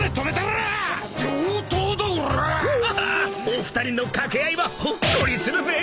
お二人の掛け合いはほっこりするべ。